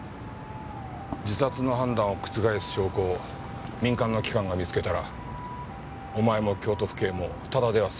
自殺の判断を覆す証拠を民間の機関が見つけたらお前も京都府警もただではすまない。